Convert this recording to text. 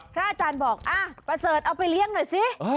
พระอาจารย์บอกประเสริฐเอาไปเลี้ยงหน่อยสิ